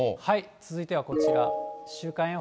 続いてはこちら。